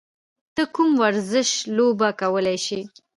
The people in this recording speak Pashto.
ته کوم ورزش لوبه کولی شې؟